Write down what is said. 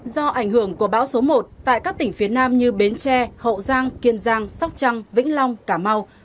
do ảnh hưởng của bão số một tại các tỉnh phía nam như bến tre hậu giang kiên giang sóc trăng vĩnh long cà mau